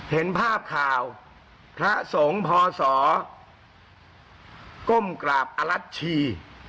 เห็นภาพข่าวพระสงฆ์พศก้มกราบอรัชชี